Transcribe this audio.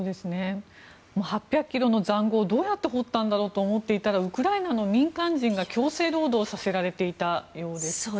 ８００ｋｍの塹壕をどうやって掘ったんだろうと思っていたらウクライナの民間人が強制労働させられていたようです。